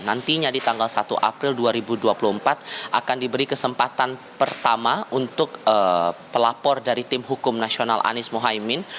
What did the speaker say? nantinya di tanggal satu april dua ribu dua puluh empat akan diberi kesempatan pertama untuk pelapor dari tim hukum nasional anies mohaimin